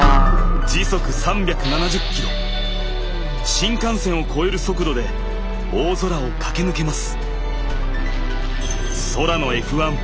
新幹線を超える速度で大空を駆け抜けます。